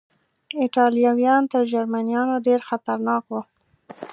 ایټالویان تر جرمنیانو ډېر خطرناک و.